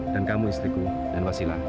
dan kamu istriku dan wasila